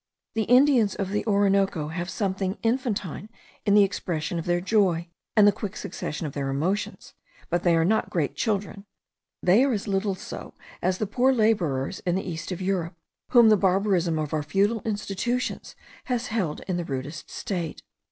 The Indians of the Orinoco have something infantine in the expression of their joy, and the quick succession of their emotions, but they are not great children; they are as little so as the poor labourers in the east of Europe, whom the barbarism of our feudal institutions has held in the rudest state.